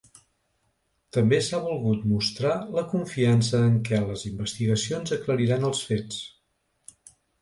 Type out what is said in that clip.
També s’ha volgut mostrar la confiança en què les investigacions aclariran els fets.